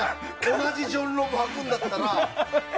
同じジョンロブ履くんだったら。